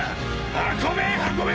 運べ運べ！